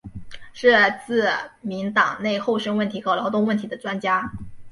是自民党内厚生问题和劳动问题的专家。